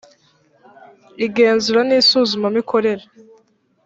igenzura n isuzumamikorere